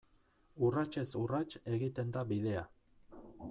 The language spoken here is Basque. Urratsez urrats egiten da bidea.